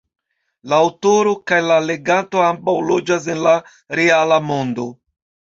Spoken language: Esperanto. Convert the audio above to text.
La aŭtoro kaj la leganto ambaŭ loĝas en la reala mondo.